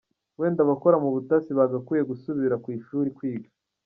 Wenda abakora mu butasi bagakwiye gusubira ku ishuri kwiga!".